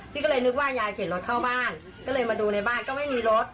พี่ก็เลยนึกว่ายายเข็นรถเข้าบ้านก็เลยมาดูในบ้านก็ไม่มีรถ